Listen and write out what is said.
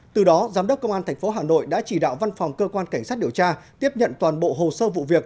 từ đó giám đốc công an tp hà nội đã chỉ đạo văn phòng cơ quan cảnh sát điều tra tiếp nhận toàn bộ hồ sơ vụ việc